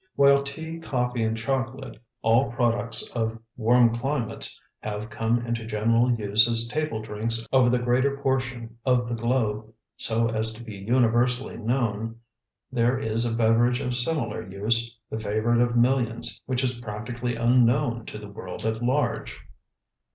While tea, coffee and chocolate, all products of warm climates, have come into general use as table drinks over the greater portion of the globe, so as to be universally known, there is a beverage of similar use, the favorite of millions, which is practically unknown to the world at large.